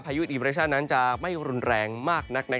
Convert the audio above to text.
พายุอีเบรชาตินั้นจะไม่รุนแรงมากนัก